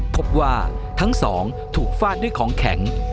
พบว่าทั้งสองถูกฟาดด้วยของแข็ง